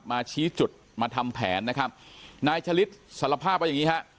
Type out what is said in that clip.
ชี้จุดมาทำแผนนะครับนายชะลิดสารภาพว่าอย่างงี้ฮะ